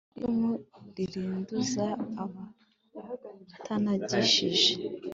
Icumu ririnduza abatanagishije,